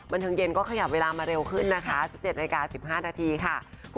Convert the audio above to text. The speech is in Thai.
บันเทิงเย็นก็ขยับเวลามาเร็วขึ้นนะคะ๑๗นาฬิกา๑๕นาทีค่ะ